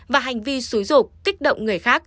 và hành vi xúi dục tích động người khác